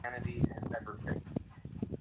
কোন কিছুই বৃথা পাওয়া যায় নাই।